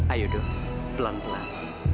ayo dok pelan pelan